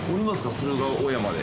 駿河小山で。